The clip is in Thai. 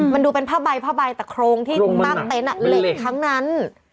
มันดูเป็นผ้าใบแต่โครงที่มาร์มเต้นเล็กทั้งนั้น